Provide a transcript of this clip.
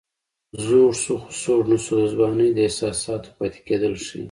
زوړ شو خو سوړ نه شو د ځوانۍ د احساساتو پاتې کېدل ښيي